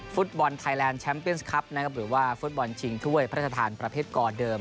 ฟุตบอลไทยแลนด์แชมปินส์ครับนะครับหรือว่าฟุตบอลชิงถ้วยพัฒนธรรมประเทศกรเดิม